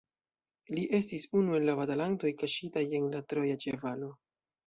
Li estis unu el la batalantoj kaŝitaj en la Troja ĉevalo.